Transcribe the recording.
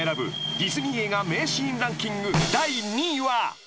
ディズニー映画名シーンランキング第２位は］